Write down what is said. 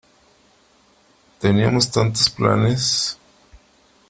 Teníamos tantos planes.